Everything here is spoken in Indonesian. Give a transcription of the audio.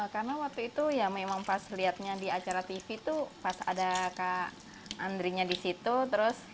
karena waktu itu ya memang pas lihatnya di acara tv tuh pas ada kak andri nya disitu terus